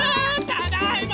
ただいま！